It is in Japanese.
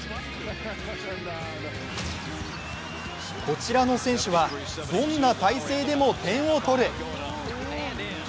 こちらの選手はどんな体勢でも点を取る！